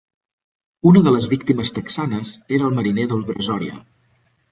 Una de les víctimes texanes era el mariner del "Brazoria".